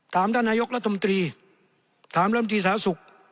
ถามตำนวยกระตุมตีถามเริ่มภาคดีสาธารณสุข